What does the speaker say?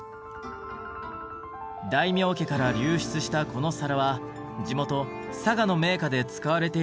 大名家から流出したこの皿は地元佐賀の名家で使われていたといいます。